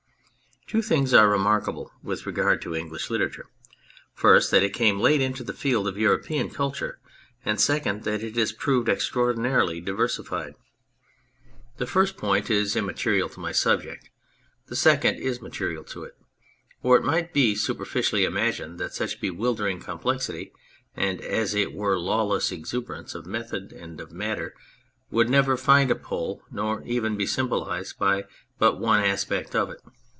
Two things are remarkable with regard to English literature, first that it came late into the field of European culture, and secondly that it has proved extraordinarily diversified. The first point is imma 142 On Milton terial to my subject ; the second is material to it ; for it might be superficially imagined that such bewildering complexity and, as it were, lawless exuberance of method and of matter would never find a pole, nor ever be symbolised by but one aspect of it.